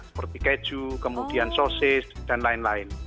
seperti keju kemudian sosis dan lain lain